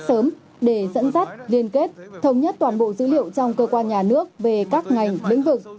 sớm để dẫn dắt liên kết thống nhất toàn bộ dữ liệu trong cơ quan nhà nước về các ngành lĩnh vực